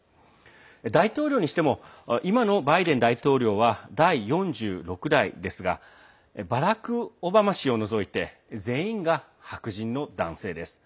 大統領にしても今のバイデン大統領は第４６代ですがバラク・オバマ氏を除いて全員が白人の男性です。